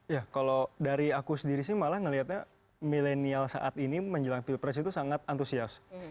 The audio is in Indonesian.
ya kalau dari aku sendiri sih malah melihatnya milenial saat ini menjelang pilpres itu sangat antusias